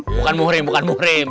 bukan murim bukan murim